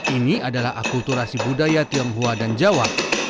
ini adalah akulturasi budaya tionghoa dan jawa